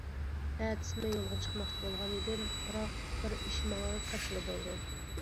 ئەتىسى مەن يولغا چىقماقچى بولغان ئىدىم، بىراق بىر ئىش ماڭا كاشىلا بولدى.